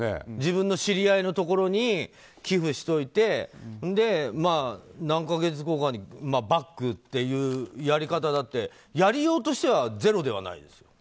自分の知り合いのところに寄付しておいて何か月後かにバックというやり方だってやりようとしてはゼロではないです。